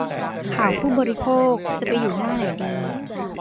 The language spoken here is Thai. ข่าวผู้บริโภค จะไปอยู่หน้าไหนดี ?